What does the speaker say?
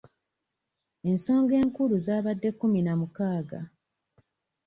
Ensonga enkulu zaabadde kkumi na mukaaga.